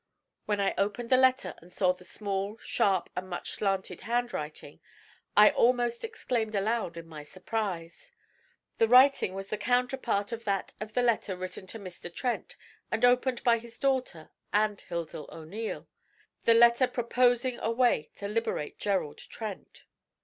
When I opened the letter and saw the small, sharp, and much slanted handwriting, I almost exclaimed aloud in my surprise. The writing was the counterpart of that of the letter written to Mr. Trent, and opened by his daughter and Hilda O'Neil the letter proposing a way to liberate Gerald Trent!